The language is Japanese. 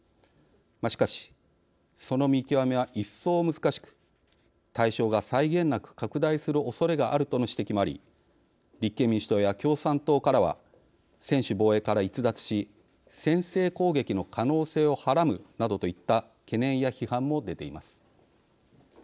しかし、その見極めは一層難しく対象が際限なく拡大するおそれがあるとの指摘もあり立憲民主党や共産党からは「専守防衛から逸脱し先制攻撃の可能性をはらむ」などといった懸念や批判も出ています。